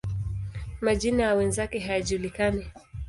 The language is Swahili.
Majina ya wenzake hayajulikani.